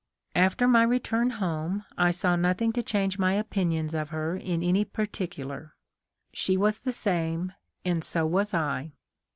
After my return home, I saw nothing to change my opin ions of her in any particular. She was the same, and so was I.